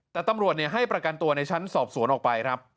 แต่ตำรวจให้ประกันตัวในชั้นสอบสวนออกไปครับ